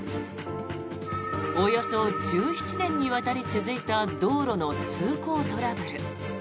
およそ１７年にわたり続いた道路の通行トラブル。